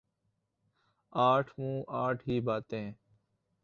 آٹھ منہ آٹھ ہی باتیں ۔